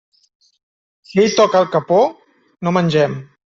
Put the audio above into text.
Si ell toca el capó, no mengem.